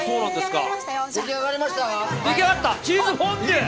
出来上がったチーズフォンデュ！